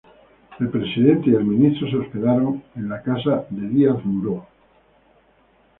El presidente y el ministro se hospedaron en casa de Díaz-Moreu.